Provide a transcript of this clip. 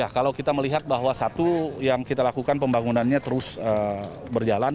kalau kita melihat bahwa satu yang kita lakukan pembangunannya terus berjalan